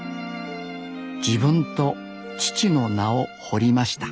自分と父の名を彫りました